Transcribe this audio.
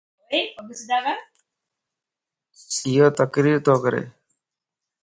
ايو تقرير تو ڪري